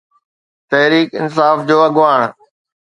تحريڪ انصاف جو اڳواڻ.